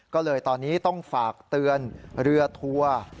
ก็เลยตอนนี้ต้องฝากเตือนเรือทัวร์